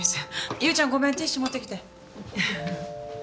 優ちゃんごめんティッシュ持ってきて。